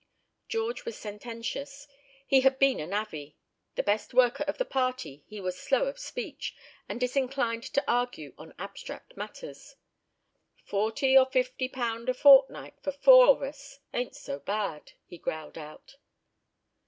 George was sententious. He had been a navvy. The best worker of the party, he was slow of speech, and disinclined to argue on abstract matters. "Forty or fifty pound a fortnight for four of us ain't so bad," he growled out.